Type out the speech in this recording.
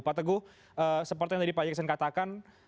pak teguh seperti yang tadi pak jackson katakan